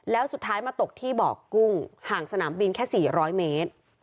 แล้วสุดท้ายมาตกที่บอกกุ้งห่างสนามบินแค่๔๐๐เมตร